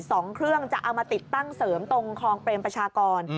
สองเครื่องจะเอามาติดตั้งเสริมตรงคลองเปรมประชากร